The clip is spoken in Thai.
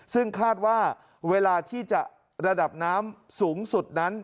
ซึ่งคาดว่าเวลาที่จะระดับน้ำสูงสุดนั้น